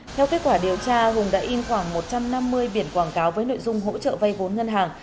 theo kết quả điều tra hùng đã in khoảng một trăm năm mươi biển quảng cáo với nội dung hỗ trợ vay vốn ngân hàng